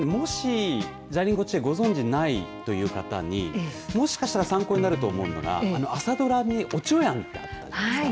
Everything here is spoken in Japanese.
じゃりン子チエをご存じないという方にもしかしたら参考になると思うのが朝ドラにおちょやんってあったじゃないですか。